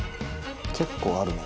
結構あるね。